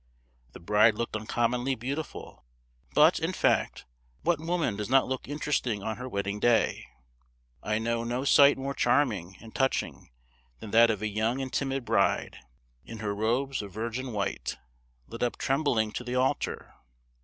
The bride looked uncommonly beautiful; but, in fact, what woman does not look interesting on her wedding day? I know no sight more charming and touching than that of a young and timid bride, in her robes of virgin white, led up trembling to the altar.